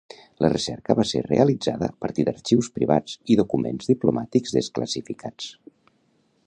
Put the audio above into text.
La recerca va ser realitzada a partir d'arxius privats i documents diplomàtics desclassificats.